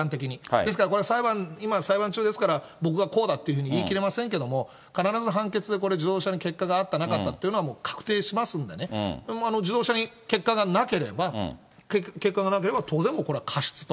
ですからこれは裁判、今裁判中ですから、僕はこうだっていうふうには言い切れませんけれども、必ず判決、これ、自動車に欠陥があったか、やはりなかったというのは、もう確定しますんでね、自動車に欠陥がなければ、欠陥がなければ、当然、これは過失と。